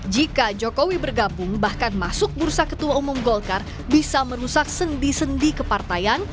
jika jokowi bergabung bahkan masuk bursa ketua umum golkar bisa merusak sendi sendi kepartaian